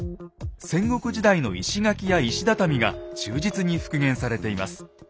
戦国時代の石垣や石畳が忠実に復元されています。